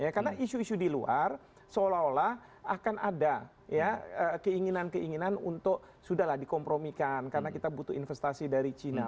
karena isu isu di luar seolah olah akan ada keinginan keinginan untuk sudah lah dikompromikan karena kita butuh investasi dari cina